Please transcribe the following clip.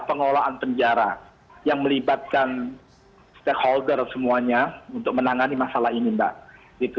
pengelolaan penjara yang melibatkan stakeholder semuanya untuk menangani masalah ini mbak itu